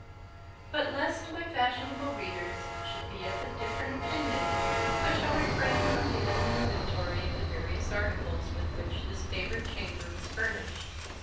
But lest my fashionable readers should be of a different opinion, I shall refrain from giving an inventory of the various articles with which this favoured chamber was furnished.